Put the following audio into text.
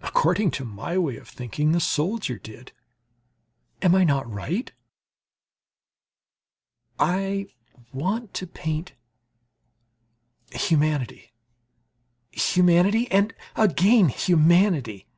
According to my way of thinking, the soldier did; am I not right? I want to paint humanity, humanity and again humanity.